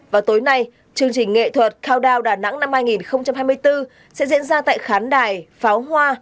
vào tối nay chương trình nghệ thuật cao đao đà nẵng năm hai nghìn hai mươi bốn sẽ diễn ra tại khán đài pháo hoa